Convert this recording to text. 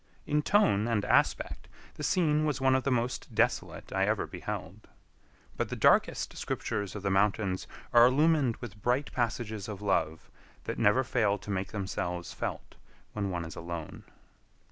In tone and aspect the scene was one of the most desolate I ever beheld. But the darkest scriptures of the mountains are illumined with bright passages of love that never fail to make themselves felt when one is alone.